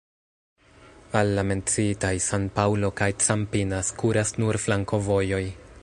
Al la menciitaj San-Paŭlo kaj Campinas kuras nur flankovojoj.